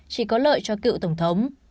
chỉ có lợi cho cựu tổng thống